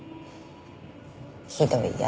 ひどい奴。